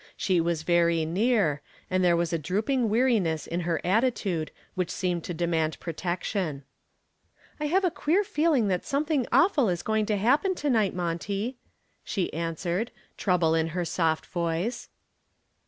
She was very near, and there was a drooping weariness in her attitude which seemed to demand protection. "I have a queer feeling that something awful is going to happen to night, Monty," she answered, trouble in her soft voice.